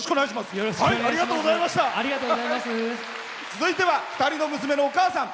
続いては２人の娘のお母さん。